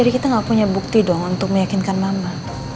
jadi kita gak punya bukti dong untuk meyakinkan mama